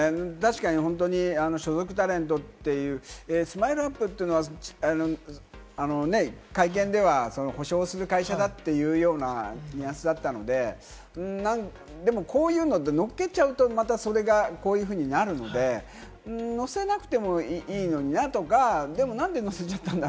確かに所属タレントというＳＭＩＬＥ‐ＵＰ．というのは、会見では補償する会社だというようなニュアンスだったので、でも、こういうのってのっけちゃうと、それがこういうふうになるので、載せなくてもいいのになとか。